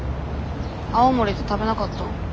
青森で食べなかったん？